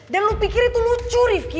dan lu pikir itu lucu rifki